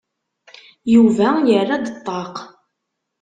Yuba yerra-d ṭṭaq.